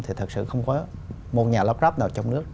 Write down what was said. thì thật sự không có một nhà lọc rắp nào trong nước